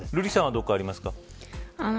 瑠麗さんはどこかありますか。